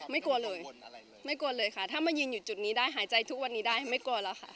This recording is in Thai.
ไม่กลัวเลยไม่กลัวเลยค่ะถ้ามายืนอยู่จุดนี้ได้หายใจทุกวันนี้ได้ไม่กลัวแล้วค่ะ